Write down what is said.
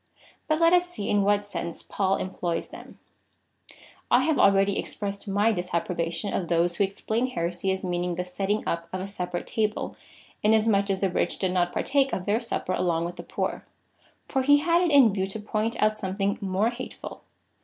But let us see in what sense Paul employs them, I have already expressed my disapprobation of those who explain heresy as meaning the setting up of a separate table, inas much as the rich did not partake of their Supper along with the poor ; for he had it in view to point out something more hateful.